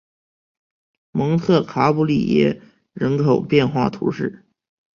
蒙特卡布里耶人口变化图示